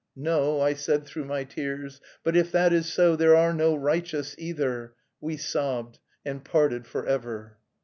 'No,' I said through my tears, 'but if that is so, there are no righteous either.' We sobbed and parted forever."